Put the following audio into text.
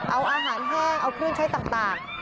เอาอาหารแห้งเอาเครื่องใช้ต่าง